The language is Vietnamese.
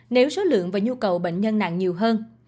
nếu số lượng và nhu cầu bệnh nhân nặng nhiều hơn